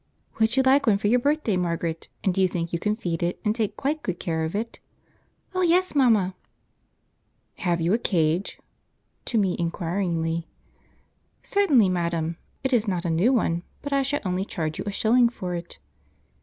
"Would you like one for your birthday, Margaret, and do you think you can feed it and take quite good care of it?" "Oh yes, mamma!" "Have you a cage?" to me inquiringly. "Certainly, madam; it is not a new one, but I shall only charge you a shilling for it."